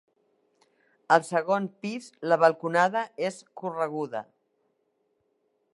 Al segon pis la balconada és correguda.